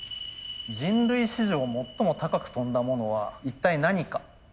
人類史上最も高く飛んだものは一体何か。